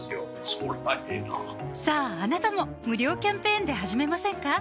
そりゃええなさぁあなたも無料キャンペーンで始めませんか？